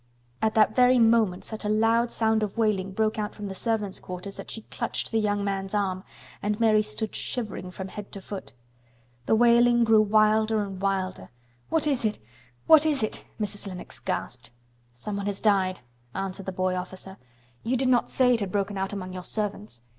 At that very moment such a loud sound of wailing broke out from the servants' quarters that she clutched the young man's arm, and Mary stood shivering from head to foot. The wailing grew wilder and wilder. "What is it? What is it?" Mrs. Lennox gasped. "Someone has died," answered the boy officer. "You did not say it had broken out among your servants."